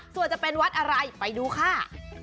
ส่วนจะเป็นวัดอะไรไปดูค่ะ